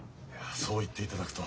そう言っていただくと。